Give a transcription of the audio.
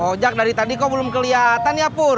ojak dari tadi kok belum kelihatan ya pur